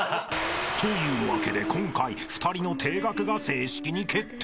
［というわけで今回２人の停学が正式に決定］